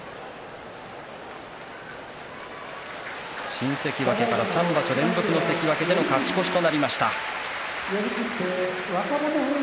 新関脇から３場所連続の関脇での勝ち越しとなりました。